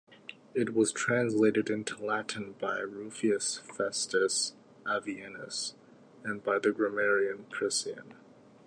It was translated into Latin by Rufius Festus Avienus, and by the grammarian Priscian.